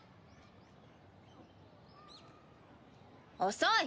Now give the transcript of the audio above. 遅い！